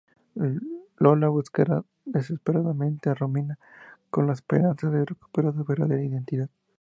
Lola buscará desesperadamente a Romina, con la esperanza de recuperar su verdadera identidad.